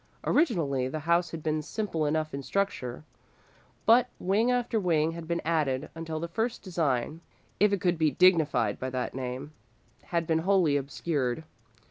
Originally, the house had been simple enough in structure, but wing after wing had been added until the first design, if it could be dignified by that name, had been wholly obscured.